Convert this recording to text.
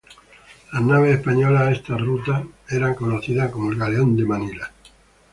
Las naves españolas a estas rutas, era conocidas como el galeón de Manila.